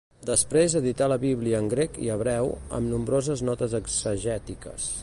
Després edità la Bíblia en grec i hebreu amb nombroses notes exegètiques.